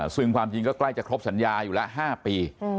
ซึ่งความจริงก็ใกล้จะครบสัญญาอยู่แล้ว๕ปี